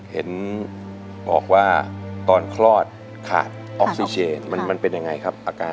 เห็นบอกว่าตอนคลอดขาดออกซิเจนมันเป็นยังไงครับอาการ